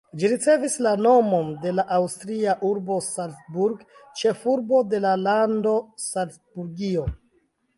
Ĝi ricevis la nomon de la aŭstria urbo Salzburg, ĉefurbo de la lando Salcburgio.